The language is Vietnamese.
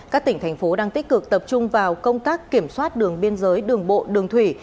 các tỉnh thành phố đang tích cực tập trung vào công tác kiểm soát đường biên giới đường bộ đường thủy